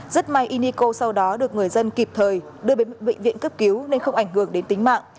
rất may inco sau đó được người dân kịp thời đưa đến bệnh viện cấp cứu nên không ảnh hưởng đến tính mạng